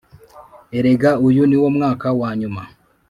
erega uyu niwo mwaka wanyuma